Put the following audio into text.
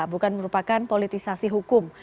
bukan merupakan politisasi hukum